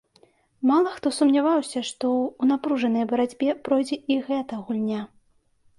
Мала хто сумняваўся, што ў напружанай барацьбе пройдзе і гэта гульня.